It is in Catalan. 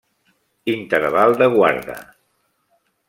Interval de Guarda.